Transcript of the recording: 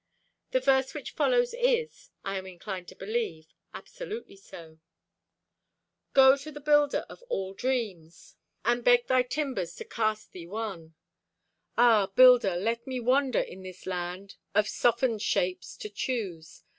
The verse which follows is, I am inclined to believe, absolutely so: Go to the builder of all dreams And beg thy timbers to cast thee one. Ah, Builder, let me wander in this land Of softened shapes to choose.